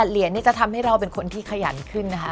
เหรียญนี่จะทำให้เราเป็นคนที่ขยันขึ้นนะคะ